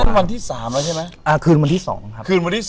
ตอนนี้นั้นวันที่๓ใช่มั้ย